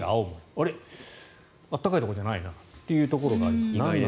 あれ、暖かいところじゃないなというところがあって何なんだ